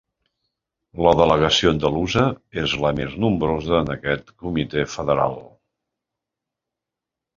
La delegació andalusa és la més nombrosa en aquest comitè federal.